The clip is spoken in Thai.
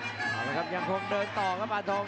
เอาละครับยังคงเดินต่อครับปาทง